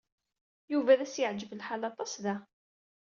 Yuba ad as-yeɛjeb lḥal aṭas da.